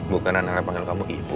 bukan nailah panggil kamu ibu